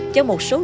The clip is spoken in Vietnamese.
cho một số lượng